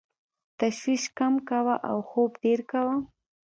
تشویش کم کوه او خوب ډېر کوه .